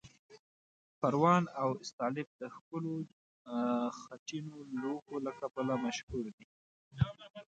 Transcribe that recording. پروان او استالف د ښکلو خټینو لوښو له کبله مشهور دي.